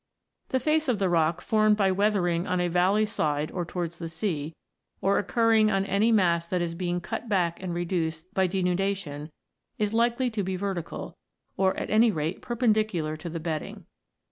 The face of the rock, formed by weathering on a valley side or towards the sea, or occurring on any mass that is being cut back and reduced by denuda tion, is likely to be vertical, or at any rate perpen dicular to the bedding.